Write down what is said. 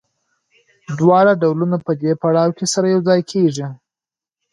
دواړه ډولونه په دې پړاو کې سره یوځای کېږي